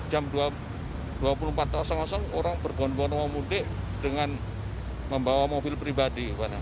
jam dua puluh empat orang berbon bon mau mudik dengan membawa mobil pribadi